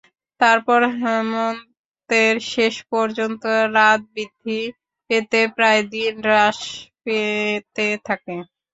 তারপর হেমন্তের শেষ পর্যন্ত রাত বৃদ্ধি পেতে এবং দিন হ্রাস পেতে থাকে।